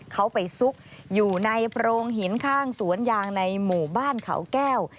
เขาไปซุกอยู่ในโพรงหินข้างสวนยางในหมู่บ้านเขาแก้ว